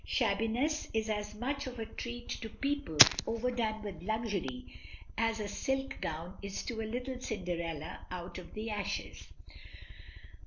Shabbiness is as much of a treat to people overdone with luxury as a silk gown is to a little Cinderella out of the ashes.